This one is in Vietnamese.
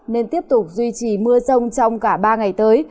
nên tiếp tục duy trì mưa rông trong cả ba ngày tới